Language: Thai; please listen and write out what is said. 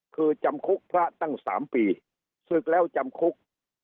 คือจำคุกพระตั้ง๓ปีศึกแล้วจำคุก